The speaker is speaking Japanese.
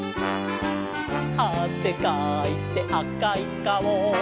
「あせかいてあかいかお」